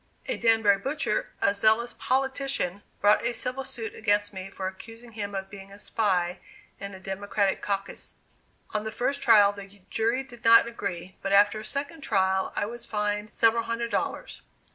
A Danbury butcher, a zealous politician, brought a civil suit against me for accusing him of being a spy in a Democratic caucus. On the first trial the jury did not agree, but after a second trial I was fined several hundred dollars.